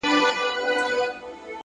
وخت د پریکړو ارزښت زیاتوي.